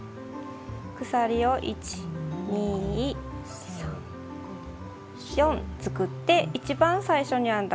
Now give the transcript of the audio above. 鎖を１２３４作って一番最初に編んだ